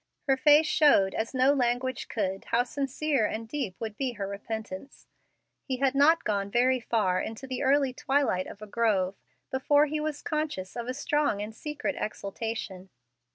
Her face showed as no language could how sincere and deep would be her repentance. He had not gone very far into the early twilight of a grove before he was conscious of a strong and secret exultation.